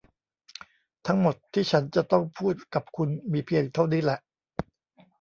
ทั้งหมดที่ฉันจะต้องพูดกับคุณมีเพียงเท่านี้แหล่ะ !